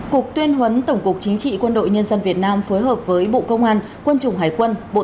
cục tuyên huấn tổng cục chính trị quân đội nhân dân việt nam phối hợp với bộ công an quân chủng hải quân